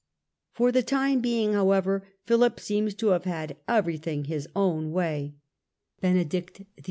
For the time being, however, Philip seems to have had every thing his own way ; Benedict XI.